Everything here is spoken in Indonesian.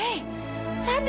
dan perempuan itu adalah kamila